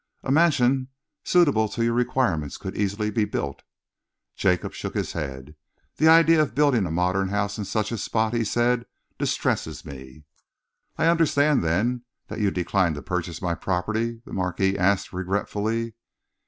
"A mansion suitable to your requirements could easily be built." Jacob shook his head. "The idea of building a modern house in such a spot," he said, "distresses me." "I understand, then, that you decline to purchase my property?" the Marquis asked regretfully.